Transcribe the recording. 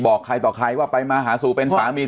บอกใครต่อใครว่าไปมาหาสู่เป็นสามี